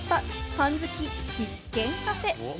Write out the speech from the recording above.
パン好き必見カフェ。